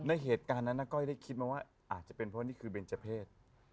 ในเหตุการณ์นั้นนะก้อยได้คิดไหมว่าอาจจะเป็นเพราะว่านี่คือเบนเจอร์เพศ